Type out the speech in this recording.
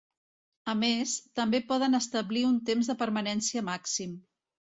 A més, també poden establir un temps de permanència màxim.